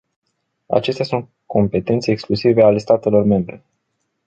Acestea sunt competențe exclusive ale statelor membre.